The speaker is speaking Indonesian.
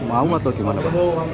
mau atau gimana pak